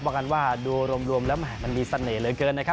ว่ากันว่าดูรวมแล้วแหมมันมีเสน่ห์เหลือเกินนะครับ